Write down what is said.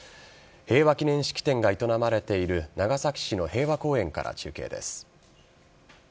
平和祈念式典が営まれている長崎市の平和公園から中継です。